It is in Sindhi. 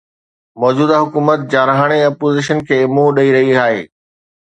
موجوده حڪومت جارحاڻي اپوزيشن کي منهن ڏئي رهي آهي.